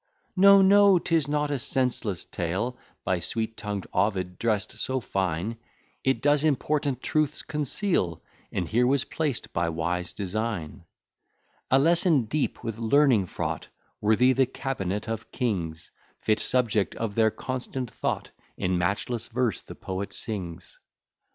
No, no, 'tis not a senseless tale, By sweet tongued Ovid dress'd so fine; It does important truths conceal, And here was placed by wise design. A lesson deep with learning fraught, Worthy the cabinet of kings; Fit subject of their constant thought, In matchless verse the poet sings.